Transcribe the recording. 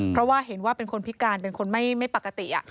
เพราะว่าเห็นว่าเป็นคนพิการเป็นคนไม่ปกติ